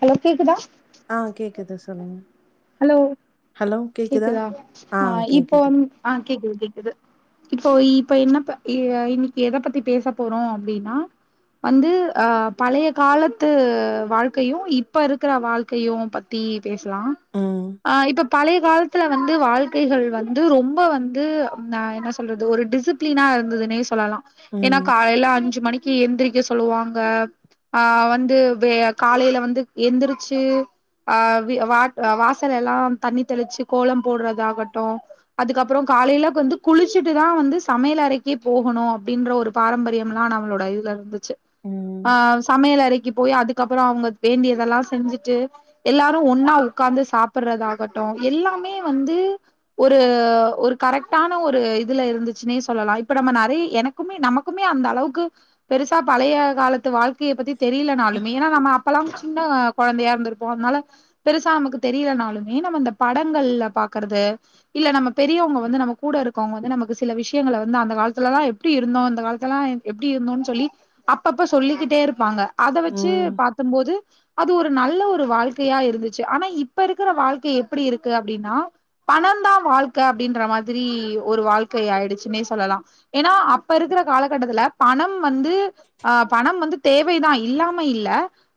Hello கேக்குதா ஆ கேக்குது சொல்லுங்க ஹலோ கேக்குதா ஆ இப்போ ஆ கேக்குது கேக்குது இப்போ இப்ப என்ன இன்னைக்கு எத பத்தி பேச போறோ அப்டின்னா வந்து அ பழய காலத்து வாழ்க்கையு இப்ப இருக்ற வாழ்க்கையு பத்தி பேசலா ம். ஆ இப்ப பழய காலத்ல வந்து வாழ்க்கைகள் வந்து ரொம்ப வந்து என்ன சொல்றது ஒரு டிசிப்ளினா இருந்ததுன்னே சொல்லலா ஏன்னா ம். காலேல அஞ் அஞ்சு மணிக்கு எந்திரிக்க சொல்லுவாங்க ஆ வந்து காலேல வந்து எந்திரிச்சு ஆ வாச வாசல் எல்லா தண்ணி தெளிச்சு கோலம் போடுறது ஆகட்டு அதுக்கப்றோ காலேல வந்து குளிச்சுட்டு தா வந்து சமயல் அறைக்கே போகணு அப்டீன்ற ஒரு பாரம்பரியம் எல்லா நம்மளோட இதுல இருந்து ம். ஆ சமயல் அறைக்கு போய் அதுக்கப்றோ அவுங்க வேண்டியதெல்லா செஞ்சுட்டு எல்லாரு ஒன்னா உக்காந்து சாப்பிடுற ஆகட்டு எல்லாமே வந்து ஒரு ஒரு கரெக்டான ஒரு இதுல இருந்துச்சுன்னே சொல்லலா இப்ப நம்ம நெறய எனக்குமே நமக்குமே அந்த அளவுக்கு பெருசா பழய காலத்து வாழ்க்க பத்தி தெரியலனாலுமே ஏன்னா நம்ம அப்பெல்லா சின்ன கொழந்தையா இருந்திருப்போ அதனால பெருசா சா நமக்கு தெரியலனாலுமே நம்ம இந்த படங்கள்ல பாக்குறது இல்ல நம்ம பெரியவங்க வந்து நம்ம கூட இருக்கவங்க வந்து நமக்கு சில விஷயங்கள வந்து அந்த காலத்துலலாம் எப்டி இருந்தோம் இந்த காலத்துலலாம் எப்டி இருந்தோன்னு சொல்லி அப்பப்ப சொல்லிக்கிட்டே இருப்பாங்க அத வச்சு ம். பாத்தம்போது அது ஒரு நல்ல ஒரு வாழ்க்கையா இருந்து ஆனா இப்ப இருக்கிற வாழ்க்கை எப்டி இருக்கு அப்டின்னா பணந்தா வாழ்க்கை அப்பிடின்ற மாதிரி ஒரு வாழ்க்கை ஆயிடுச்சுன்னே சொல்லலாம் ஏன்னா அப்ப இருக்கிற காலகட்டத்துல பணம் வந்து ஆ பணம் வந்து தேவ் வைதா இல்லாம இல்ல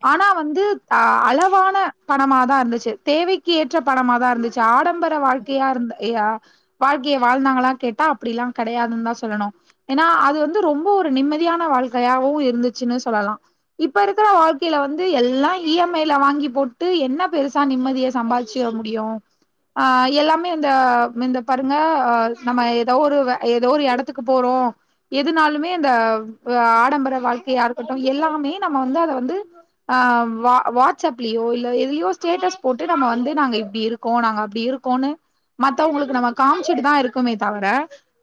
ஆனா வந்து ஆ அளவான் மே பத் பணமதா இருந்துச்சு தேவைக்கு ஏற்ற பணமதா இருந்துச்சு ஆடம்பர வாழ்க்கையா இருந்த இயா வாழ்க்கையை வாழ்ந்தாங்களா கேட்டா அப்புடிலா கெடையாதுன்னு தா சொல்லணு ஏன்னா அது வந்து ரொம்ப ஒரு நிம்மதியான வாழ்க்கையாவும் இருந்துச்சுன்னு சொல்லலா இப்ப இருக்கிற வாழ்க்கைல வந்து எல்லா இ எம் ஐல வாங்கி போட் டு என்ன பெருசா நிம்மதிய சம்பாதிச்சுர முடியும் ஆ எல்லாமே இந்த இந்த பாருங்க ஹ நம்ம ஏதோ ஒரு ஏதோ ஒரு எடத்துக்கு போறோ எதுனாலுமே இந்த ஆடம்பர வாழ்க்கையா இருக்கட்டும் எல்லாமே நம்ம வந்து அத வந்து ஆ வாட்ஸ் அப்லயோ இல் எதுலயும் ஸ்டேட்டஸ் போட்டு நம்ம வந்து நாங்க இப்டி இருக்கோ நாங்க அப்டி இருக்கோன்னு மத்தவங்களுக்கு நம்ம காமிச்சுட்டு தா இருக்குமே தவர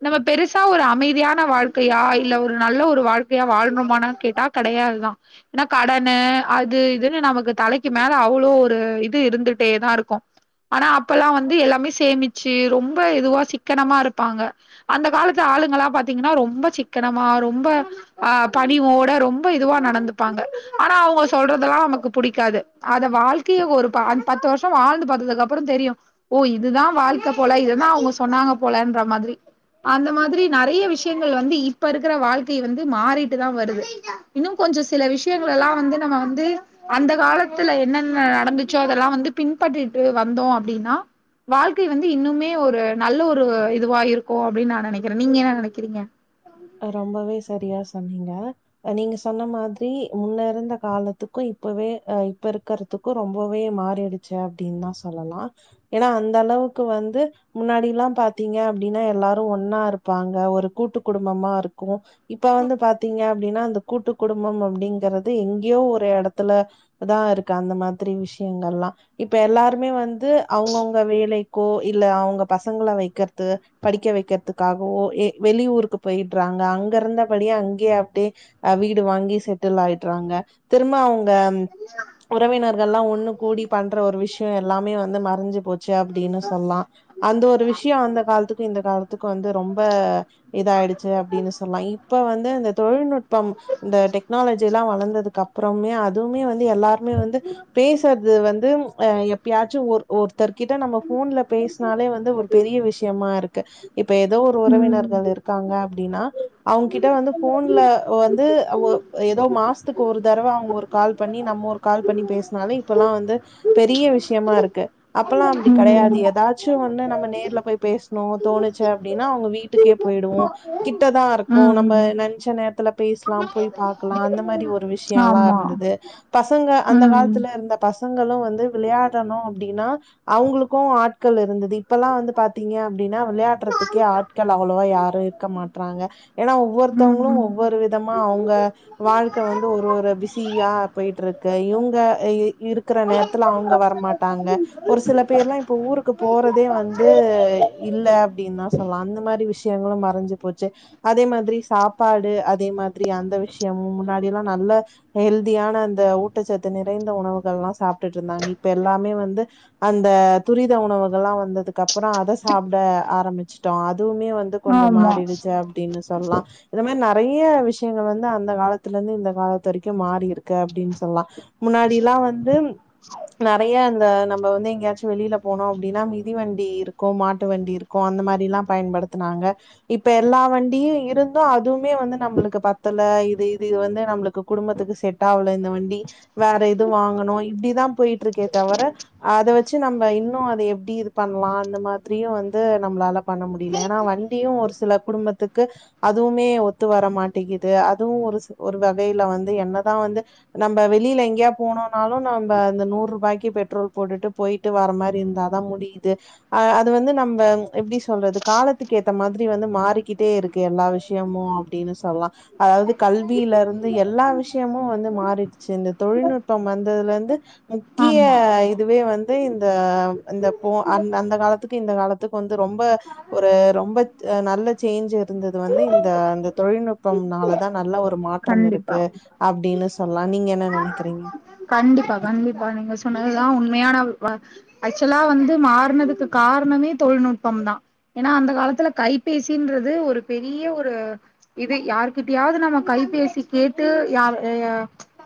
நம்ம பெருசா ஒரு அமைதியான வாழ்க்கையா இல்ல ஒரு நல்ல ஒரு வாழ்க்கையா வாழ்னுமானு கேட்டா கெடையாது தா ஏன்னா கடனு அது இதுன்னு நமக்கு தலைக்கு மேல அவ்ளோ ஒரு இது இருந்துட்டே தாருக்கும் ஆனா அப்பல்லா வந்து எல்லாமே சேமிச்சு ரொம்ப இதுவா சிக்கனமா இருப்பாங்க அந்த காலத்து ஆளுங்களாம் பாத்தீங்கன்னா ரொம்ப சிக்கனமா ரொம்ப ஆ பணிவோட ரொம்ப இதுவா நடந்துப்பாங்க ஆனா அவங்க சொல்றதெல்லா நமக்கு புடிக்காது அத வாழ்க்கையை ஒரு பத்து வருஷம் வாழ்ந்து பாத்ததுக்கு அப்புறம் தெரியும் ஓ இதுதா வாழ்க்கை போல இதுதா அவுங்க சொன்னாங்க போலன்ற மாதிரி அந்த மாதிரி நெறைய விஷயங்கள் வந்து இப்ப இருக்கிற வாழ்க்கைய வந்து மாறிட்டுதான் வருது இன்னு கொஞ்ச சில விஷயங்கள எல்லா வந்து நம்ம வந்து அந்த காலத் த்துல என்னென்ன நடந்துச்சோ அதெல்லா வந்து பின்பற்றிட்டு வந்தோ அப்பிடின்னா வாழ்க்கை வந்து இன்னுமே ஒரு நல்ல ஒரு இதுவா இருக்கும் அப்படின்னு நா நெனைக்கிறேன் நீங்க என்ன நெனைக்கிறீங்க ரொம்பவே சரியாஸ் சொன்னிங்க நீங்க சொன்ன மாதிரி முன்ன இருந்த காலத்துக்கும் இப்பவே அ இப்ப இருக்கறத்துக்கும் ரொம்பவே மாறிடுச்சு அப்பிடின்னு தா சொல்லலா ஏன்னா அந்த அளவுக்கு வந்து முன்னாடில்லா பாத்தீங்க அப்பிடின்னா எல்லாரும் ஒன்னா இருப்பாங்க ஒரு கூட்டுக்குடு டும்மா இருக்கும் இப்ப வந்து பாத்தீங்க அப்பிடின்னா அந்த கூட்டு குடும்பம் அப்பிடிங்கறது எங்கேயோ ஒரு எடத்துல தா இருக்கு அந்த மாதிரி விஷயங்கள்லாம் இப்ப எல்லாருமே வந் து அவுங்கவுங்க வேலை கோ இல்ல அவுங்க பசங்கள வைக்கறது படிக்க வைக்கறதுக்காகவோ ஏ வெளியூருக்கு போயிடுறாங்க அங்க இருந்தபடியே அங்கேயே அப்பிடியே அ வீடு வாங்கி செட்டில் ஆயிடுறாங்க திரும்ப அவங்க உறவினர்கள்லாம் ஒண்ணு கூடி பண்ற ஒரு விஷயம் எல்லாமே வந்து மறைஞ்சு போச்சு அப்பிடின்னு சொல்லலாம் அந்த ஒரு விஷயம் அந்த காலத்துக்கும் இந்த காலத்துக்கும் வந்து ரொம்ப இதாயிடு சு அப்பிடின்னு சொல்லா இப்ப வந்து இந்த தொழில்நுட்பம் இந்த டெக்னாலஜி எல்லா வளந்ததுக்கு அப்புறமே அதுமே வந்து எல்லாருமே வந்து பேசுறது வந்து அ எப்பியாச்சும் ஒரு ஒருத்தர்கிட்ட நம்ம போன்ல பேசினாலே வந்து ஒரு பெரிய விஷயமா இருக்கு இப்ப ஏதோ ஒரு ம் உறவினர்கள் இருக்காங்க அப்பிடின்னா அவுங்கிட்ட வந்து போன்ல வந்து ஒ ஏதோ மாசத்துக்கு ஒரு தடவ அவங்க ஒரு கால் பண்ணி நம்ம ஒரு கால் பண்ணி பேசினாலே இப்பல்லாம் வந்து பெரிய விஷயமா இருக்கு அப்பெல்லா அப்டி கெடையாது ஏதாச்சு ஒன்னு நம்ம நேர்ல போய் பேசணும் தோணுச்சு அப்பிடின்னா அவுங்க வீட்டுக்கே போயிடுவோம் கிட்டதான் ம் இருக்கும் ம் நம்ம ம் நினைச்ச நேரத்துல பேசலாம் போய் பாக்கலாம் அந்த மாரி ஒரு விஷயல்லாம் ஆமா இருந்தது பசங்க அந்த ம் காலத்துல இருந்த பஸ் பசங்களும் வந்து விளையாடணு அப்பிடின்னா அவுங்களுக்கும் ஆட்கள் இருந்தது இப்பல்லா வந்து பாத்தீங்க அப்பிடின்னா விளையாடுறதுக்கே ஆட்கள் அவ்ளோவா யாரு க மாட்றாங்க ஏன்னா ஒவ்வொருத்தவங்களும் ம் ஒவ்வொரு விதமா அவுங்க வாழ்க்கை வந்து ஒரு ஒரு பிஸியா போயிட்டு இருக்கு இவுங்க இருக்கிற நேரத்துல அவுங்க வரமாட்டாங்க ஒரு சில பேர்லாம் இப்ப ஊருக்கு போறதே வந்து இல்ல அப்பிடின்னு தா சொல்லாம் அந்த மாரி விஷயங்களும் மறைஞ்சு போச்சு அதே மாதிரி சாப்பாடு அதே மாதிரி அந்த விஷயமும் முன்னாடி எல்லா நல்ல ஹெல்தியான அந்த ஊட்டச்சத்து நிறைந்த உணவுகள்லாம் சாப்புட்டுட்டு இருந்தாங்க இப்ப எல்லாமே வந்து அந்த துரித உணவுகள்லா வந்ததுக்கு அப்புறம் அதை சாப்ட ஆரம்பிச்சட்டோம் அதுவுமே வந் து கொஞ்ச ஆமா மாறிடு அப்பிடின்னு சொல்லாம் இத மாரி நெறைய விஷயங்கள் வந்து அந்த காலத்துல இருந்து இந்த காலத்து வரைக்கும் மாறி இருக்கு அப்பிடின் சொல்லாம் முன்னாடிலா வந்து நெறைய இந்த நம்ம வந்து எங்கேயாச்சு வெளில போனு அப்பிடின்னா மிதி வண்டி இருக்கும் மாட்டு வண்டி இருக்கும் அந்த மாதிரி எல்லாம் பயன்படுத்தினாங்க இப் இப்ப எல்லா வண்டியு இருந்தும் அதுமே வந்து நம்மளுக்கு பத்தல இது இது இது வந்து நம்மளுக்கு குடும்பத்துக்கு செட் ஆவுல இந்த வண்டி வேற இது வாங்கணு இப்பிடிதான் போயிட்டு இருக்கே தவர அத வச்சு நம்ம இன்னு அத எப்டி இது பண்ணலாம் அந்த மாதிரியும் வந்து நம்மளால பண்ண முடியல ஏன்னா வண்டியு ஒரு சில தே குடும்பத்துக்கு அதுவுமே ஒத்து வர மாட்டேங்கிது அதுவும் ஒரு ஒரு வகையில வந்து என்னதான் வந்து நம்ம வெளில எங்கியா போனோன்னாலும் நம்ம அந்த நூறு ரூபாய்க்கு பெட்ரோல் போட்டுட்டு போயிட்டு வர மாதிரி இருந்தா தா முடியுது ஹ அது வந்து நம்ம எப்டி சொல்றது காலத்துக்கு ஏத்த மாரி வந்து மாறி கிட்டே இருக்கு எல்லா விஷயமும் அப்படின்னு சொல்லாம் அதாவுது கல்வில இருந்து எல்லா விஷயமும் வந்து மாறிடுச்சு இந்த தொழில்நுட்பம் வந்ததுல இருந்து முக்கிய ஆமா இதுவே வந் தே இந்த இந்த போ அந் அந்த காலத்துக்கு இந்த காலத்துக்கு வந்து ரொம்ப ஒரு ரொம்ப நல்ல சேஞ்ச் இருந்தது வந்து இந்த அந்த தொழில்நுட்பம்னால தா நல்ல ஒரு மாற்றம் இருக்கு கண்டிப்பா அப்டின்னு சொல்லா நீங்க என்ன நெனைக்கிறீங்க கண்டிப்பா கண்டிப்பா நீங்க சொன்னதுதா உண் மையான வ ஆக்சுவலா வந்து மாறுனதுக்கு காரணமே தொழில்நுட்பம் தா ஏனா அந்த காலத்துல கைபேசின்றது ஒரு பெரிய ஒரு இது யாருகிட்டயாது நம்ம கைபேசி கேட்டு யா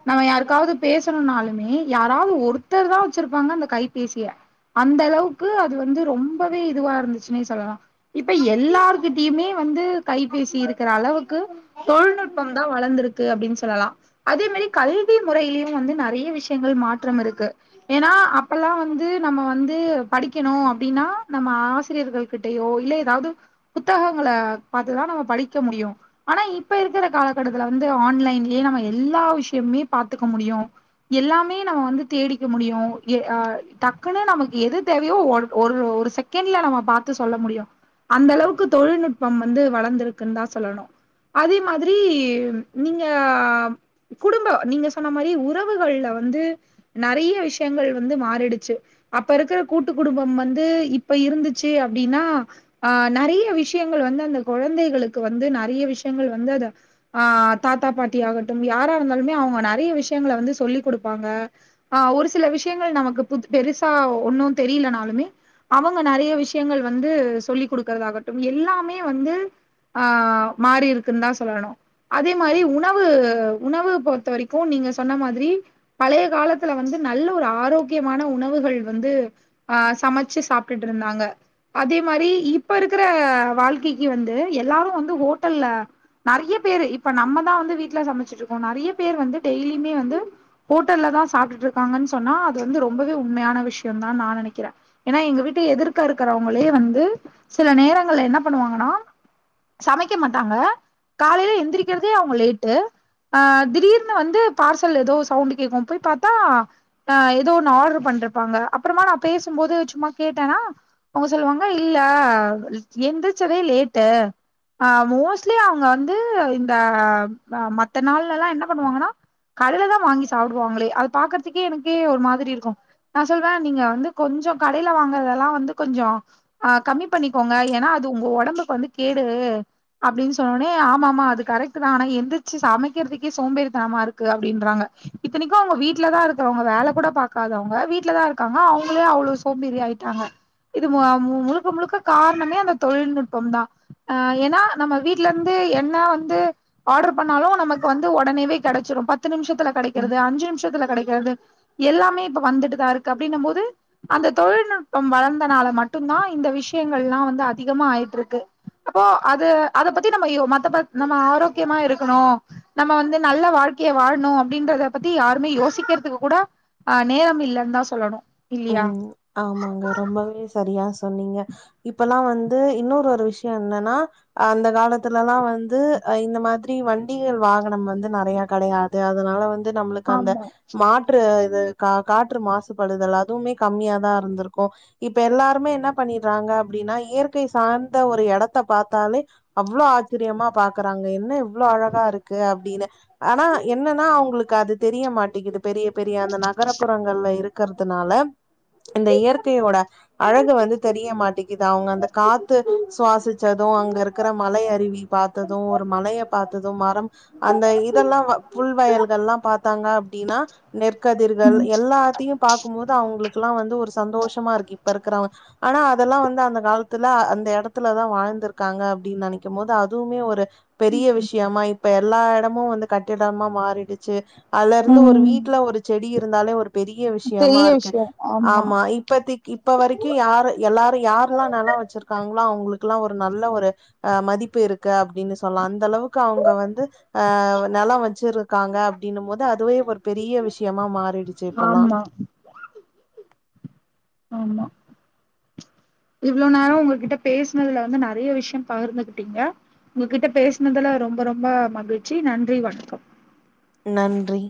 நம்ம யாருக்காவுது பேசணுன்னாலுமே யாராது ஒருத்தர் தா வச்சுருப்பாங்க அந்த கைபேசிய அந்த அளவுக்கு அது வந்து ரொம்பவே இதுவா இருந்துச்சுனே சொல்லலா இப்ப எல்லார்கிட்டயுமே வந்து கைபேசி இருக்குற அளவுக்கு தொழில்நுட் பம் தா வளந்துருக்கு அப்டின் சொல்லலா அதே மாரி கல்வி முறைலயு வந்து நெறைய விஷ்யங்கள் மாற்றம் இருக்கு ஏனா அப்பல்லா வந்து நம்ம வந்து படிக்கணு அப்டின்னா நம்ம ஆசிரியர்கள் கிட்டயோ இல்ல எதாவ்து புத்தகங்கள பாத்துதா நம்ம படிக்க முடியு ஆனா இப்ப இருக் குற காலகட்டத்துல வந்து ஆன்லைன்லே நம்ம எல்லா விஷ்யம்மே பாத்துக்க முடியு எல்லாமே நம்ம வந்து தேடிக்க முடியு எ அ டக்குனு நமக்கு எது தேவையோ ஒர் ஒரு ஒரு செகண்ட்ல நம்ம பாத்து சொல்ல முடியு அந்த அளவுக்கு தொழில்நுட்பம் வந்து வளந்துருக்குன் தா சொல்லணு அதே மாதிரி நீங்க குடும்ப நீங்க சொன்ன மாரி உறவுகள்ல வந்து நறைய விஷ்யங்கள் வந்து மாறிடுச்சு அப்ப இருக்குற கூட்டு குடும்பம் வந்து இப்ப இருந்துச்சு அப்டின்னா அ நறைய விஷ்யங்கள் வந்து அந்த கொழந்தைகளுக்கு வந்து நறைய விஷ்யங்கள் வந்தத ஆ தாத்தா பாட்டி ஆகட்டும் யாரா இருந்தாலுமே அவுங்க நறைய விஷ்யங்கள வந்து சொல்லிக் குடுப்பாங்க ஆ ஒரு சில விஷ்யங்கள் நமக்கு பு பெருசா ஒன்னு தெரிலனாலுமே அவங்க நறைய விஷ்யங்கள் வந்து சொல்லிக் குடுக்குறதாகட்டும் எல்லாமே வந்து ஆ மாறி இருக் குன் தா சொல்லணு அதே மாரி உணவு உணவு பொறுத்த வரைக்கு நீங்க சொன்ன மாதிரி பழைய காலத்துல வந்து நல்ல ஒரு ஆரோக்கியமான உணவுகள் வந்து ஆ சமச்சு சாப்டுட்ருந்தாங்க அதே மாரி இப்ப இருக்குற வாழ்க்கைக்கு வந்து எல்லாரு வந்து ஹோட்டல்ல நறைய பேரு இப்ப நம்மதா வந்து வீட்ல சமச்சிட்ருக்கோ நறைய பேர் வந்து டெய்லியுமே வந்து ஹோட்டல்லதா சாப்டுட்ருக்காங்கன் சொன்னா அது வந்து ரொம்பவே உண்மையான விஷ்யந்தா நா நெனக்கிறே ஏனா எங்க வீட்டு எதிர்க்க இருக்குறவுங்களே வந்து சில நேரங்கள்ல என்ன பண்ணுவாங்கனா சமைக்க மாட்டாங்க காலைல எந்திரிக்கிறதே அவுங்க லேட்டு ஆ திடீர்னு வந்து பார்சல் எதோ சவுண்டு கேக்கு போய் பாத்தா அ எதோ ஒன்னு ஆர்டர் பண்ருப்பாங்க அப்றமா நா பேசும்போது சும்மா கேட்டனா அவுங்க சொல்லுவாங்க இல்ல எந்திரிச்சதே லேட்டு ஆ மோஸ்ட்லி அ வுங்க வந்து இந்த மத்த நாள்லெல்லா என்ன பண்ணுவாங்கனா கல்ல தா வாங்கி சாப்புடுவாங்களே அது பாக்குறதுக்கே எனக்கே ஒரு மாதிரி இருக்கு நா சொல்வே நீங்க வந்து கொஞ்சொ கடைல வாங்குறதெல்லா வந்து கொஞ்சொ அ கம்மி பண்ணிக்கோங்க ஏனா அது உங்க ஒடம்புக்கு வந்து கேடு அப்டின் சொன்னோனெ ஆமாமா அது கரெக்ட்டு தா ஆனா எந்திர்ச்சு சமக்கிறதுக்கே சோம்பேறித்தனமா இருக்கு அப்டின்றாங்க இத்தனைக்கு அவுங்க வீட்லதா இருக்குறவுங்க வேல கூட பாக்காதவுங்க வீட்ல தா இருக்காங்க அவுங்களே அவ்ளொ சோம்பேறி ஆயிட்டாங்க இது ம முழுக்க முழுக்க காரணமே அந்த தொழில்நுட்பம் தா அ ஏனா நம்ம வீ ட்லெந்து என்ன வந்து ஆர்டர் பண்ணாலு நமக்கு வந்து ஒடனேவே கெடச்சிரு பத்து நிமிஷ த்துல ம் கெடைக்கிறது அஞ்சு நிமிஷத்துல கெடைக்கிறது எல்லாமே இப்ப வந்துட்டுதா இருக்கு அப்டின்னம் போது அந்த தொழில்நுட்பம் வளர்ந்தனால மட்டுந்தா இந்த விஷ்யங்கள்லா வந்து அதிகமா ஆயிட்ருக்கு அப்போ அத அத பத்தி நம்ம யோ மத்தப நம்ம ஆரோக்கியமா இருக்கணு நம்ம வந்து நல்ல வாழ்க்கைய வாழணு அப்டின்றத பத்தி யாருமே யோசிக்கிறதுக்கு கூட ஆ நேரம் இல்லன்தா சொல்லணு ஓ இல்லியா ஆமாங்க ரொம்பவே சரியா சொன்னீங்க இப்பல்லா வந்து இன்னொரு ஒரு விஷ்யொ என்னனா அந்த காலத்துலல்லா வந்து இந்த மாதிரி வண்டிகள் வாகனம் வந்து நறைய கடையாது அதனால வந் து நம்ளுக்கு அந்த ஆமா மாற்று து கா காற்று மாசுபடுதலா துவ்மே கம்மியா தா இருந்துருக்கு இப்ப எல்லாருமே என்ன பண்ணிட்றாங்க அப்டின்னா இயற்கை சார்ந்த ஒரு எடத்த பாத்தாலே அவ்ளோ ஆச்சரியமா பாக்குறாங்க என்ன இவ் ளோ அழகா இருக்கு அப்டின்னு ஆனா என்னனா அவுங்ளுக்கு அது தெரிய மாட்டிகிது பெரிய பெரிய அந்த நகரபுறங்கள்ல இரு க்கற்து னால இந்த இயற்கையோட அழகு வந்து தெரிய மாட்டேக்கிது அவுங்க அந்த காத்து சுவாசிச்சது அங்கருக்குற மலை அருவி பாத்தது ஒரு மலைய பாத்தது மரம் அந்த இதெல்லா வ புல்வயல்கள்லா பாத்தாங்க அப்டின்னா நெற்கதிர்கள் எல்லாத்தையும் போது அவுங்களுக்குலா வந்து ஒரு சந்தோஷமா இருக்கு இப்ப இருக்குறவுங்க ஆனா அதெல்லா வந்து அந்த காலத்துல அந்த எடத்துலதா வாழ்ந்துருக்காங்க அப்டின் நெனைக்கும் போது அதுவுமே ஒரு பெரிய விஷயமா இ இப்ப எல்லா எடமு வந்து கட்டிடமா மாறிடுச்சு அல்லருந்து ஒரு ம் வீட்ல ஒரு செடி இ ருந்தாலே ஒரு பெரிய யமா பெரிய இருக்கு விஷயோ ஆமா இப்பத்திக் இப்ப வரைக்கு யாரு எல்லாரு யார்லா நெல வச்சுருக்காங் ளோ அவுங்களுக்லா ஒரு நல்ல ஒரு அ மதிப்பு இருக்கு அப்டின் சொல்லலா அந்த அளவுக்கு அவுங்க வந்து அ நெலொ வச்சிருக்காங்க அப்டின்னும் போது அதுவே ஒரு பெரிய விஷ்யமா மாறிடுச்சு இப்பல்லா ஆமா ஆமா இவ்ளோ நேர உங்ககிட்ட பேஸ்னதுல வந்து நெறைய விஷயம் பகிர்ந்துகிட்ட உங்ககிட்ட பேஸ்னதுல ரொம்ப ரொம்ப மகிழ்ச்சி நன்றி வணக்கம் நன்றி